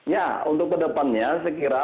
ya untuk ke depannya saya kira